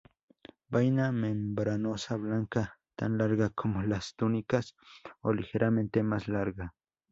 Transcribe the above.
Vaina membranosa, blanca, tan larga como las túnicas o ligeramente más larga.